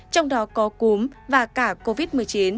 trong đó có cúm và cả covid một mươi chín